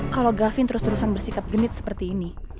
kalau gavin terus terusan bersikap genit seperti ini